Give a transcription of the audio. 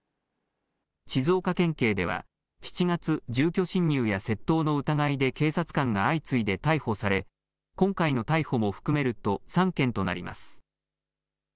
静岡県警では７月、住居侵入や窃盗の疑いで警察官が相次いで逮捕され、今回の逮捕も含めると３件となります。